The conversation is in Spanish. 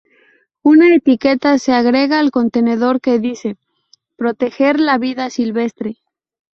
Una etiqueta se agrega al contenedor que dice: "Proteger la Vida Silvestre:.